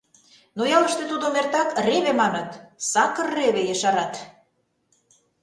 Но ялыште тудым эртак реве маныт — сакыр реве, ешарат.